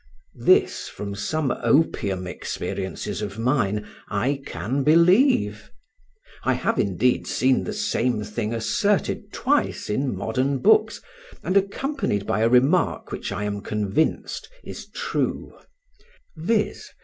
This, from some opium experiences of mine, I can believe; I have indeed seen the same thing asserted twice in modern books, and accompanied by a remark which I am convinced is true; viz.